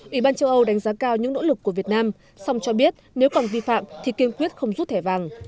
ủy ban châu âu đánh giá cao những nỗ lực của việt nam song cho biết nếu còn vi phạm thì kiên quyết không rút thẻ vàng